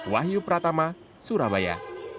wahyu pratama surabaya